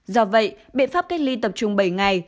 do vậy biện pháp cách ly tập trung bảy ngày